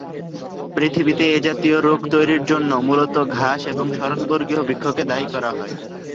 পৃথিবীতে এ জাতীয় রোগ তৈরির জন্য মূলত ঘাস এবং সরলবর্গীয় বৃক্ষকে দায়ী করা হয়।